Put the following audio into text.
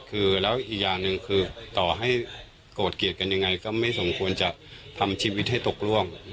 คือแล้วอีกอย่างหนึ่งคือต่อให้โกรธเกลียดกันยังไงก็ไม่สมควรจะทำชีวิตให้ตกล่วง